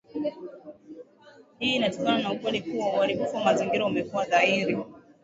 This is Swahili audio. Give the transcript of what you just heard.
Hii inatokana na ukweli kuwa uharibifu wa mazingira umekuwa dhahiri